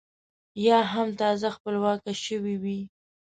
یا هم تازه خپلواکه شوې وي.